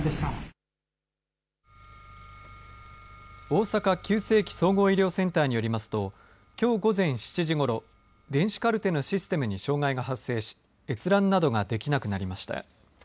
大阪急性期・総合医療センターによりますときょう午前７時ごろ電子カルテのシステムに障害が発生し閲覧などができなくなりました。